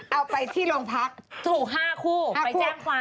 เอาไปที่โรงพักถูก๕คู่ไปแจ้งความ